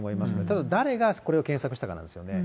ただ、誰がこれを検索したかなんですよね。